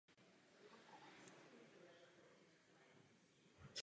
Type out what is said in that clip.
Vliv tribunálu dal podnět k myšlence vytvoření samostatného stálého mezinárodního soudu.